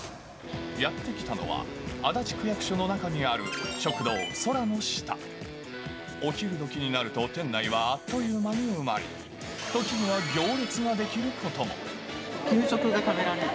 やって来たのは、足立区役所の中にある食堂ソラノシタ。お昼どきになると、店内はあっという間に埋まり、給食が食べられる。